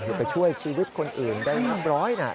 อยู่กับช่วยชีวิตคนอื่นได้เรียบร้อยนะ